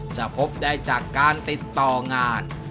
พบได้จากการติดต่องาน